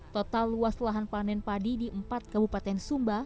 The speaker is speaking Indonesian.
total luas lahan panen padi di empat kabupaten sumba